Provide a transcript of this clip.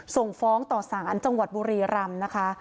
ส่งฟ้องต่อสารจังหวัดบุรีรำนะคะ